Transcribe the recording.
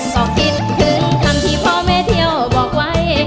ก็คิดถึงคำที่พ่อแม่เที่ยวบอกไว้